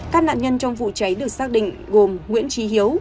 các nạn nhân trong vụ cháy được xác định gồm nguyễn trí hiếu